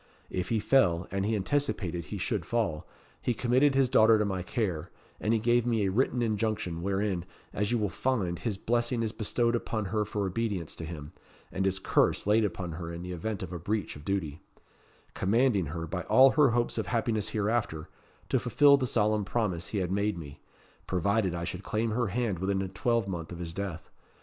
If he fell, and he anticipated he should fall, he committed his daughter to my care; and he gave me a written injunction, wherein, as you will find, his blessing is bestowed upon her for obedience to him, and his curse laid upon her in the event of a breach of duty; commanding her, by all her hopes of happiness hereafter, to fulfil the solemn promise he had made me provided I should claim her hand within a twelvemonth of his death.